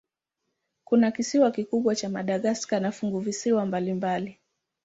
Kuna kisiwa kikubwa cha Madagaska na funguvisiwa mbalimbali.